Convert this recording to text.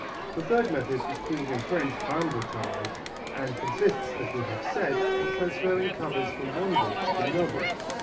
The third method is called in French rembotage and consists, as we have said, of transferring covers from one book to another.